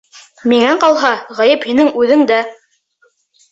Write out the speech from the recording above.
Миңә ҡалһа, ғәйеп һинең үҙеңдә.